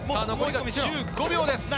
残り１５秒です。